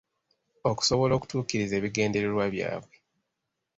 Okusobola okutuukiriza ebigendererwa byabwe.